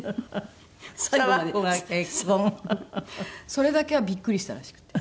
それだけはビックリしたらしくて。